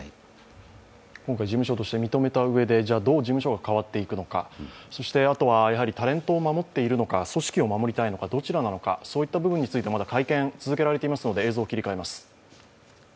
今回事務所として認めたうえでじゃあ事務所はどう変わっていくのか、あとはタレントを守っているのか、組織を守りたいのか、どちらなのか、そういった部分については会見がまだ続けられていますので、映像を切り替えます。